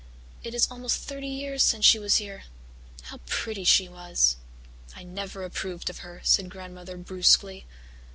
It is almost thirty years since she was here. How pretty she was!" "I never approved of her," said Grandmother brusquely.